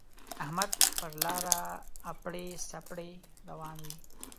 احمد پر لاره اپړې سپړې روان وِي.